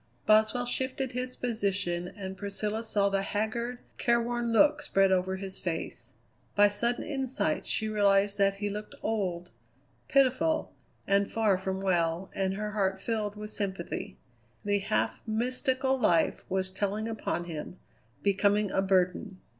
Boswell shifted his position, and Priscilla saw the haggard, careworn look spread over his face. By sudden insight she realized that he looked old, pitiful, and far from well, and her heart filled with sympathy. The half mystical life was telling upon him, becoming a burden.